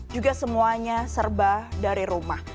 juga semuanya serba dari rumah